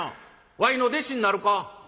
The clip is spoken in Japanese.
わいの弟子になるか？」。